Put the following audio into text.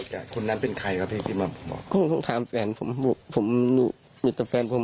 ค่ะแล้วกี่ปีแล้ว